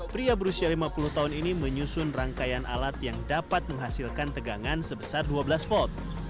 pria berusia lima puluh tahun ini menyusun rangkaian alat yang dapat menghasilkan tegangan sebesar dua belas volt